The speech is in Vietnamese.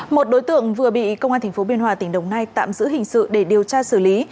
một đối tượng vừa bị công an tp biên hòa tỉnh đồng nai tạm giữ hình sự để điều tra xử lý